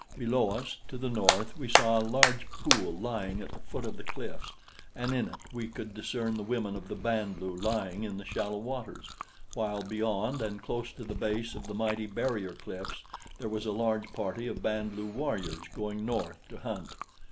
Below us, to the north, we saw a large pool lying at the foot of the cliffs, and in it we could discern the women of the Band lu lying in the shallow waters, while beyond and close to the base of the mighty barrier cliffs there was a large party of Band lu warriors going north to hunt.